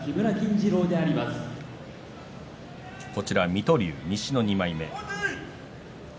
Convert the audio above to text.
水戸龍、西の２枚目。